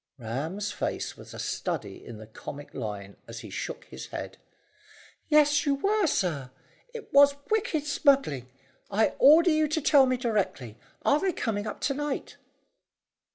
Ram's face was a study in the comic line as he shook his head. "Yes you were, sir, and it was wicked smuggling. I order you to tell me directly. Are they coming up to night?"